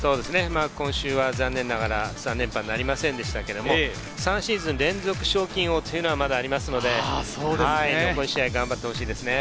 今週は残念ながら３連覇なりませんでしたけど、３シーズン連続賞金王というのはまだありますので、残り試合、頑張ってほしいですね。